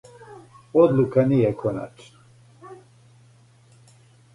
Одлука није коначна.